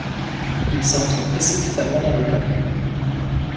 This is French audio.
Ils entrent précipitamment dans le palais.